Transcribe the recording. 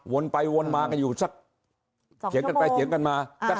วนไปวนมากันอยู่สักเจอกันไปเจอกันมาดัชำ